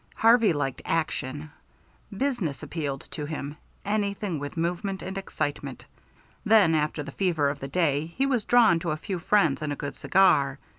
Harvey liked action. Business appealed to him, anything with motion and excitement; then, after the fever of the day, he was drawn to a few friends and a good cigar.